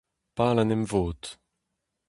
Pal an emvod.